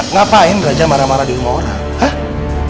ngapain raja marah marah di rumah orang